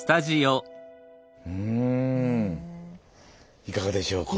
うんいかがでしょうか？